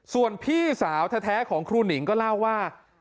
ส่วนพี่สาวแท้ของครูหนิงก็เล่าว่า